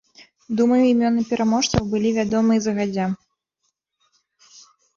Думаю, імёны пераможцаў былі вядомыя загадзя.